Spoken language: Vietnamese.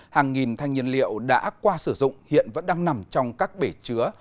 hàng nghìn thanh nhiên liệu đã qua sử dụng hiện vẫn đang nằm trong các bể chứa